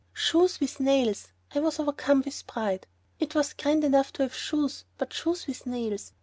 Shoes with nails! I was overcome with pride. It was grand enough to have shoes, but shoes with nails!